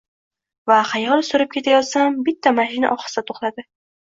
Va xayol surib kelayotsam, bitta mashina ohista toʻxtadi.